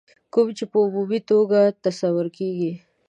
کوم چې په عمومي توګه تصور کېږي.